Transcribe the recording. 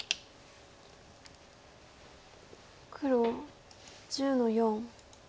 黒１０の四。